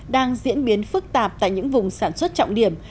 đang diễn biến phức tạp tại những vùng sản xuất trọng điểm